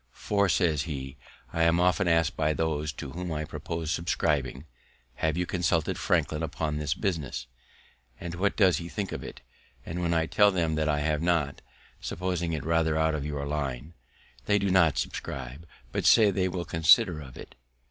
"For," says he, "I am often ask'd by those to whom I propose subscribing, Have you consulted Franklin upon this business? And what does he think of it? And when I tell them that I have not (supposing it rather out of your line), they do not subscribe, but say they will consider of it."